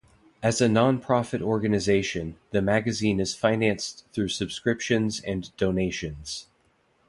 As a nonprofit organization, the magazine is financed through subscriptions and donations.